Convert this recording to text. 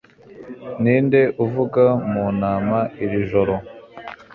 Ninde uvuga mu nama iri joro?